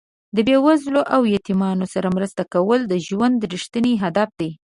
د بې وزلو او یتیمانو سره مرسته کول د ژوند رښتیني هدف دی.